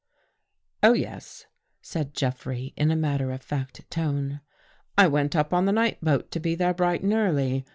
" Oh, yes," said Jeffrey in a matter of fact tone, " I went up on the night boat to be there bright and early.